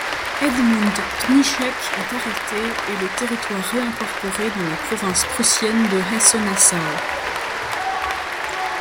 Edmund Pnischek est arrêté, et le territoire réincorporé dans la province prussienne de Hesse-Nassau.